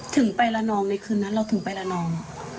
ถึงไปละนองในคืนนั้นเราถึงไปละนอง